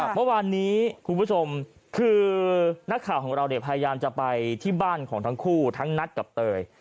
เมื่อวานนี้คุณผู้ชมคือนักข่าวของเราพยายามจะไปที่บ้านของทั้งคู่ทั้งนัทกับเตย